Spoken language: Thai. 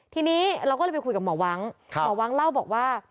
ทีนี้เราก็เลยไปคุยกับหมอว้างหมอว้างเล่าบอกว่า